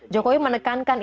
jokowi menekankan indonesia